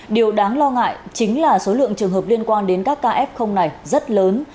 điều đáng lo ngại chính là số lượng trường hợp liên quan đến các ca f này rất lớn